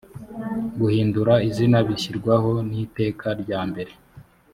guhindura izina bishyirwaho n iteka rya mbere